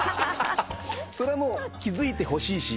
それもう気付いてほしいし。